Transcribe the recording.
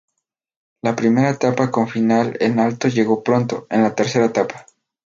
La primera etapa con final en alto llegó pronto, en la tercera etapa.